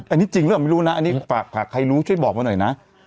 อันนี้จริงหรือเปล่าไม่รู้นะอันนี้ฝากใครรู้ช่วยบอกมาหน่อยนะ